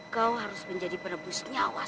kau harus menjadi penebus nyawa